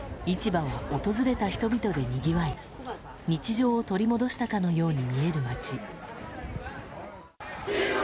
市場は訪れた人々でにぎわい日常を取り戻したかのように見える街。